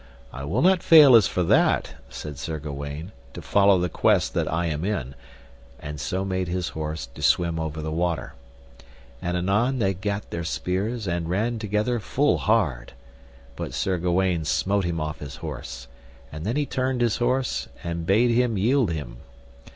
I will not fail as for that, said Sir Gawaine, to follow the quest that I am in, and so made his horse to swim over the water. And anon they gat their spears and ran together full hard; but Sir Gawaine smote him off his horse, and then he turned his horse and bade him yield him.